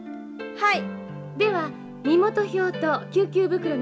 はい。